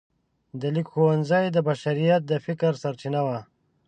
د لیک ښوونځی د بشریت د فکر سرچینه وه.